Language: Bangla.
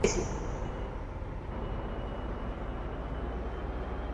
ঈশ্বর, আমি আবার ব্যর্থ হয়েছি।